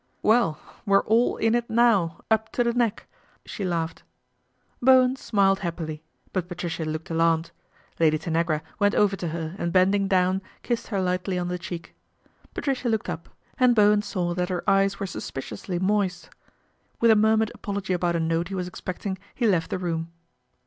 " Well, we're all in it now up to the neck," she laughed. Bowen smiled happily ; but Patricia looked alarmed. Lady Tanagra went over to her anc bending down kissed her lightly on the cheek Patricia looked up, and Bowen saw that her eye; were suspiciously moist. With a murmurec apology about a note he was expecting he left th< room.